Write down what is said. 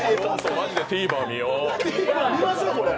マジでＴｖｅｒ見よう。